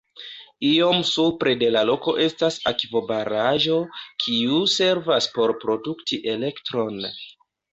Iom supre de la loko estas akvobaraĵo, kiu servas por produkti elektron.